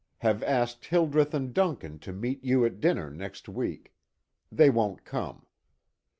Have asked Hildreth and Duncan to meet you at dinner next week. They won't come.